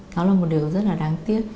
nó là một điều rất là đáng tiếc